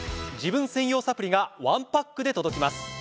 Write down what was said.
自分専用サプリがワンパックで届きます。